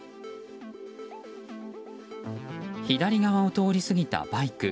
左側を通り過ぎたバイク。